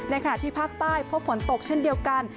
ขณะที่ภาคใต้พบฝนตกเช่นเดียวกัน